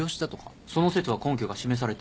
その説は根拠が示されていない。